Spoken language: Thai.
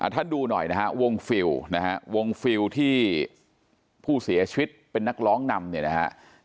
ถ้าดูหน่อยนะฮะวงฟิลที่ผู้เสียชีวิตเป็นนักร้องนำเนี่ยนะฮะ